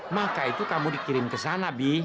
maka itu kamu dikirim ke sana bi